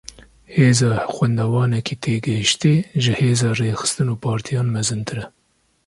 Hêza xwendevanekî têgihiştî, ji hêza rêxistin û partiyan mezintir e